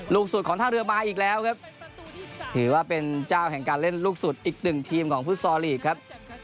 ลูกสุดของท่าเรือมาอีกแล้วครับถือว่าเป็นเจ้าแห่งการเล่นลูกสุดอีกหนึ่งทีมของฟุตซอลลีกครับ